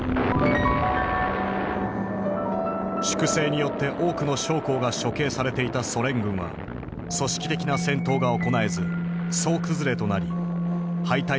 粛清によって多くの将校が処刑されていたソ連軍は組織的な戦闘が行えず総崩れとなり敗退を繰り返した。